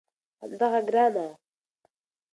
همدغه ګرانه